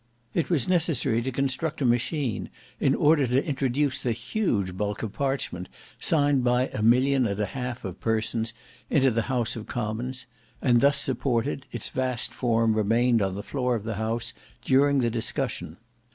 It was necessary to construct a machine in order to introduce the huge bulk of parchment signed by a million and a half of persons, into the House of Commons, and thus supported, its vast form remained on the floor of the House during the discussion.